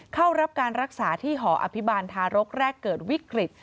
เข้ารับการรักษาที่หออภิบาลทารกแรกเกิดวิกฤต